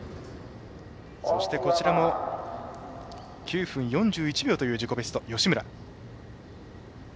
そしてこちらも９分４１秒という自己ベスト吉村。